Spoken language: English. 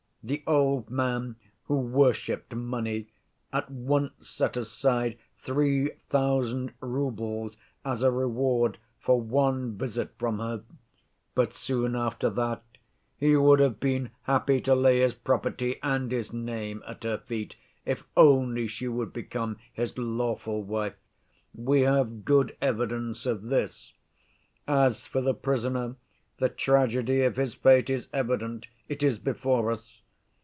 The old man, who worshiped money, at once set aside three thousand roubles as a reward for one visit from her, but soon after that, he would have been happy to lay his property and his name at her feet, if only she would become his lawful wife. We have good evidence of this. As for the prisoner, the tragedy of his fate is evident; it is before us.